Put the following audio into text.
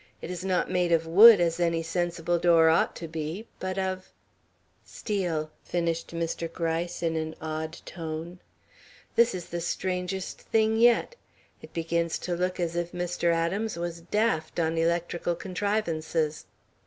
It is not made of wood, as any sensible door ought to be, but of " "Steel," finished Mr. Gryce in an odd tone. "This is the strangest thing yet. It begins to look as if Mr. Adams was daft on electrical contrivances."